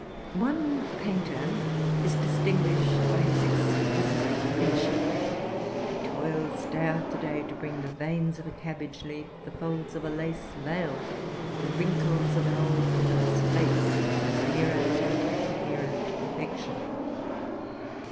One painter is distinguished by his exquisite finishing. He toils day after day to bring the veins of a cabbage leaf, the folds of a lace veil, the wrinkles of an old woman's face, nearer and nearer to perfection.